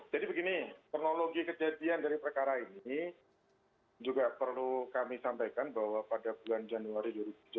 jadi begini kronologi kejadian dari perkara ini juga perlu kami sampaikan bahwa pada bulan januari dua ribu tujuh belas